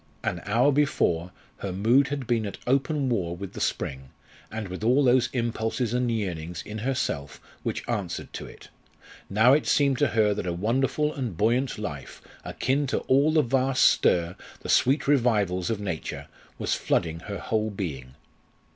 An hour before, her mood had been at open war with the spring, and with all those impulses and yearnings in herself which answered to it. Now it seemed to her that a wonderful and buoyant life, akin to all the vast stir, the sweet revivals of Nature, was flooding her whole being.